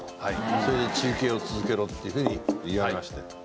それで中継を続けろっていうふうに言われまして。